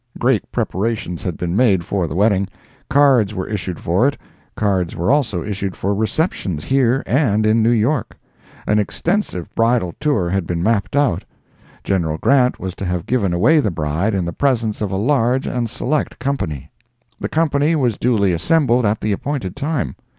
Great preparations had been made for the wedding; cards were issued for it; cards were also issued for receptions here and in New York; an extensive bridal tour had been mapped out; General Grant was to have given away the bride in the presence of a large and select company. The company was duly assembled at the appointed time.